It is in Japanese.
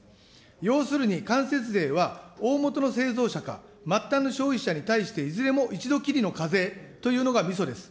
要するに間接税は、おおもとの製造者か末端の消費者に対して、いずれも一度きりの課税というのがみそです。